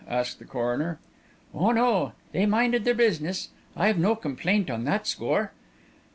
asked the coroner. "Oh, no; they minded their business; I've no complaint on that score."